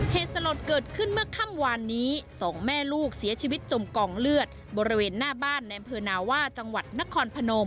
เหตุสลดเกิดขึ้นเมื่อค่ำวานนี้สองแม่ลูกเสียชีวิตจมกองเลือดบริเวณหน้าบ้านในอำเภอนาว่าจังหวัดนครพนม